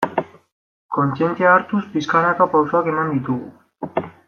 Kontzientzia hartuz, pixkanaka pausoak eman ditugu.